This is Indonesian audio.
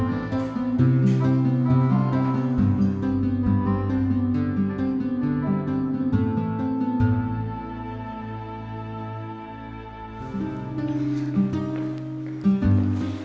oh ya udah